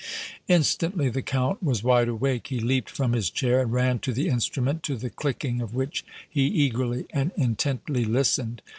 Instantly the Count was wide awake. He leaped from his chair and ran to the instrument, to the clicking of which he eagerly and intently listened.